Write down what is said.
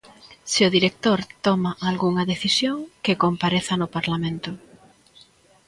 Se o director toma algunha decisión, que compareza no Parlamento.